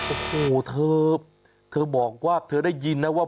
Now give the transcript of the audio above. โอ้โหเธอเธอบอกว่าเธอได้ยินนะว่า